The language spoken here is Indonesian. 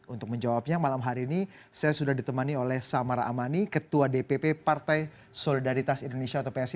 untuk menjawabnya malam hari ini saya sudah ditemani oleh samara amani ketua dpp partai solidaritas indonesia atau psi